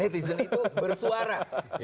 netizen itu bersuara